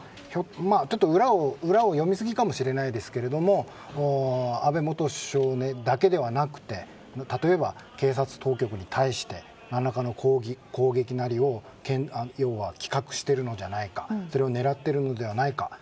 裏を読みすぎかもしれないですが安倍元首相だけではなくて例えば、警察当局に対して何らかの攻撃なりを企画しているのではないかそれを狙ってるのではないか。